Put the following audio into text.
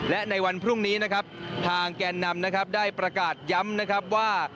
และในวันพรุ่งนี้นะครับทางแกนนำนะครับได้ประกาศย้ำนะครับว่า